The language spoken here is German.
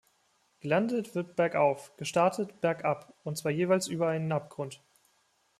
Gelandet wird bergauf, gestartet bergab, und zwar jeweils über einen Abgrund.